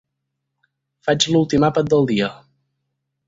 Faig l'últim àpat del dia.